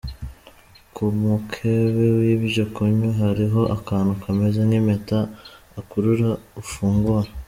Ku mukebe w’ibyo kunywa hariho akantu kameze nk’impeta ukurura ufungura.